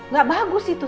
gak bagus itu